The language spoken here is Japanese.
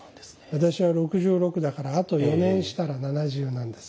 私は６６だからあと４年したら７０なんです。